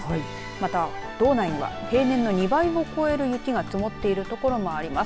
また道内には平年の２倍を超える雪が積もっている所もあります。